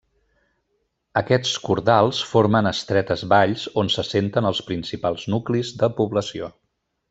Aquests cordals formen estretes valls on s'assenten els principals nuclis de població.